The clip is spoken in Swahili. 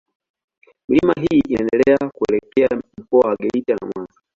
Milima hii inaendelea kuelekea Mkoa wa Geita na Mwanza.